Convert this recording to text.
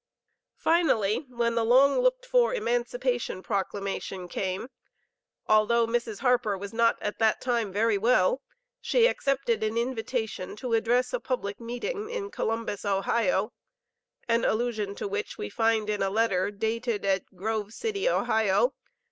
Finally when the long looked for Emancipation Proclamation came, although Mrs. Harper was not at that time very well, she accepted an invitation to address a public meeting in Columbus, Ohio, an allusion to which we find in a letter dated at Grove City, O.